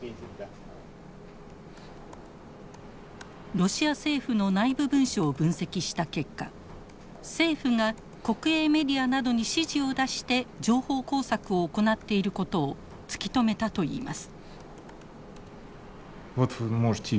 ロシア政府の内部文書を分析した結果政府が国営メディアなどに指示を出して情報工作を行っていることを突き止めたといいます。